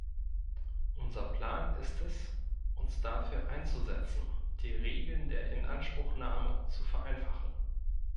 Unser Plan ist es, uns dafür einzusetzen, die Regeln der Inanspruchnahme zu vereinfachen.